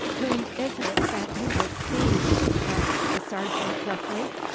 'Whom is it that you would see?' asked the sergeant gruffly.